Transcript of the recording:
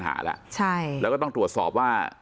ถือมีปัญหาแล้วแล้วก็ต้องตรวจสอบว่า